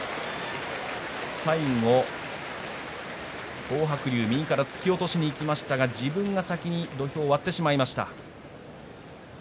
最後、東白龍、右から突き落としにいきましたが自分が先に土俵を割ってしまいました。